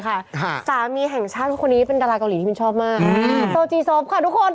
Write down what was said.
ค่ะสามีแห่งชาติคนนี้เป็นดาราเกาหลีที่มินชอบมากอ่าโซจีซบค่ะทุกคน